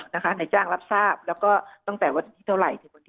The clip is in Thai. นายจ้างรับทราบแล้วก็ตั้งแต่วันที่เท่าไหร่